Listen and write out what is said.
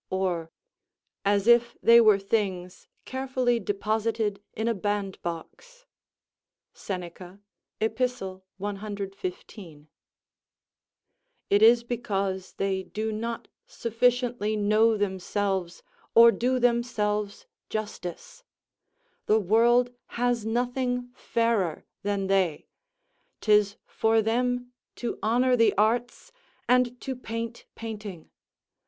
(Or:) "as if they were things carefully deposited in a band box." Seneca, Ep. 115] It is because they do not sufficiently know themselves or do themselves justice: the world has nothing fairer than they; 'tis for them to honour the arts, and to paint painting.